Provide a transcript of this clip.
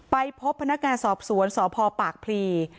ไปพบพนักงานสอบสวนสพปากพรี